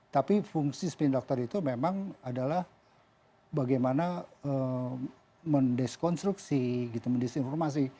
tapi fungsi spin doctor itu memang adalah bagaimana mendiskonstruksi gitu mendisinformasi